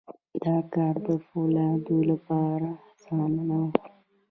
دا کار د فیوډالانو لپاره اسانه نه و.